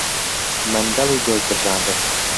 مەنگەڵی گۆشت برژاندن